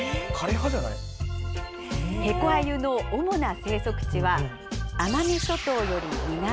ヘコアユの主な生息地は奄美諸島より南。